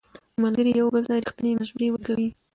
ملګري یو بل ته ریښتینې مشورې ورکوي